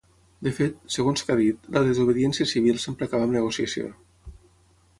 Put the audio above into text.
De fet, segons que ha dit, la desobediència civil sempre acaba amb negociació.